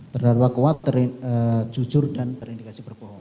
terdakwa kuat jujur dan terindikasi berbohong